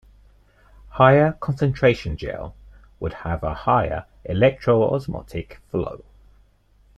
Higher concentration gel would have higher electroosmotic flow.